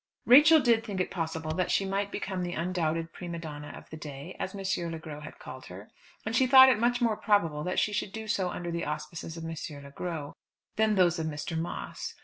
Rachel did think it possible that she might become the undoubted prima donna of the day, as M. Le Gros had called her; and she thought it much more probable that she should do so under the auspices of M. Le Gros, than those of Mr. Moss.